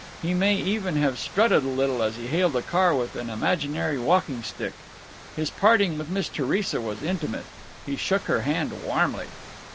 He may even have strutted a little as he hailed a car with an imaginary walking stick. His parting with Miss Theresa was intimate; he shook her hand warmly.